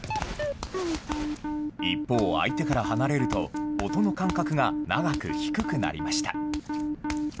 一方、相手から離れると、音の間隔が長く低くなりました。